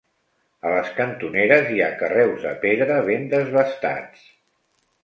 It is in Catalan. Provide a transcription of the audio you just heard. A les cantoneres hi ha carreus de pedra ben desbastats.